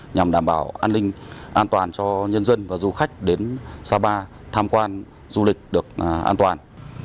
nhằm đảm bảo an ninh an toàn cho nhân dân và du khách đến sapa tham quan du lịch được an toàn